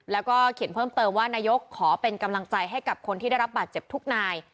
แล้วก็เขียนเพิ่มเติมว่านายกขอเป็นกำลังใจให้กับคนที่ได้รับบาดเจ็บทุกนาย